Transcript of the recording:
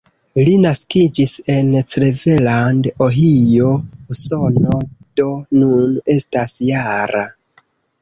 Li naskiĝis en Cleveland, Ohio, Usono, do nun estas -jara.